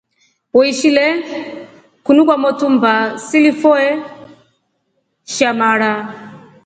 Uishile kunu kwa motu mbaa silifoe sha mara.